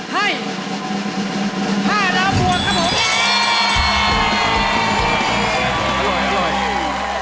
ให้๕ดาวบวกครับผม